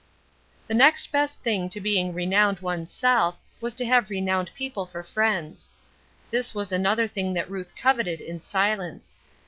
The next best thing to being renowned one's self was to have renowned people for friends. This was another thing that Ruth coveted in silence.